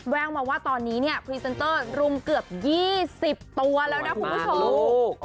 แววมาว่าตอนนี้เนี่ยพรีเซนเตอร์รุมเกือบ๒๐ตัวแล้วนะคุณผู้ชม